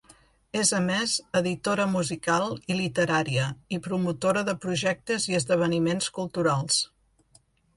És a més editora musical i literària i promotora de projectes i esdeveniments culturals.